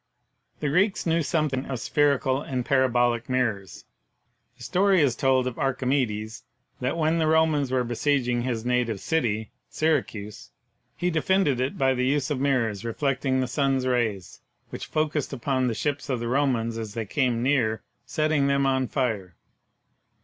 The Greeks knew something of spherical and parabolic mirrors. The story is told of Archimedes that when the Romans were besieging his native city, Syracuse, he de fended it by the use of mirrors reflecting the sun's rays, which focused upon the ships of the Romans as they came near, setting them on fire.